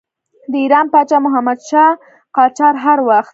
د ایران پاچا محمدشاه قاجار هر وخت.